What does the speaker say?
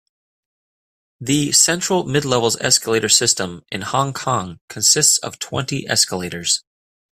The Central-Midlevels escalator system in Hong Kong consists of twenty escalators.